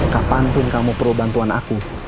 kapan pun kamu perlu bantuan aku